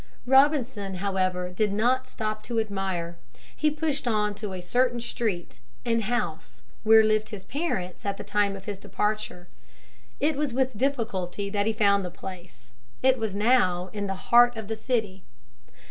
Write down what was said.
Robinson, however, did not stop to admire; he pushed on to a certain street and house where lived his parents at the time of his departure. It was with difficulty that he found the place. It was now in the heart of the city.